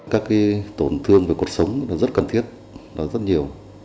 các tổn thương về cuộc sống rất cần thiết rất nhiều